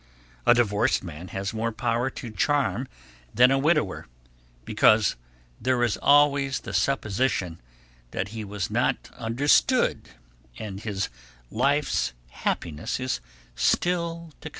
A divorced man has more power to charm than a widower, because there is always the supposition that he was not understood and that his life's happiness is still to come.